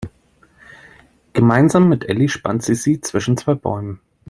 Gemeinsam mit Elli spannt sie sie zwischen zwei Bäumen.